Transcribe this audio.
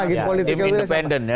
tim independen ya